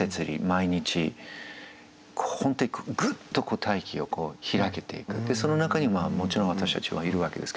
毎日本当にグッと大気を開けていくその中にもちろん私たちはいるわけですけど。